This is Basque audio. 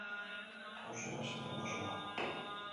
Hauxe da zerrenda osoa.